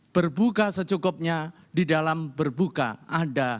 berbuka secukupnya di dalam berbuka ada